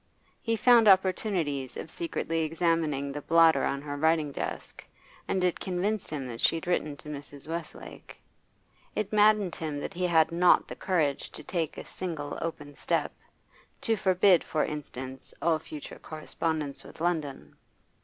He found opportunities of secretly examining the blotter on her writing desk, and it convinced him that she had written to Mrs. Westlake. It maddened him that he had not the courage to take a single open step, to forbid, for instance, all future correspondence with London.